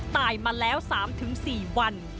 ตายมาแล้ว๓๔วัน